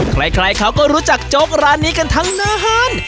ใครเขาก็รู้จักโจ๊กร้านนี้กันทั้งนาน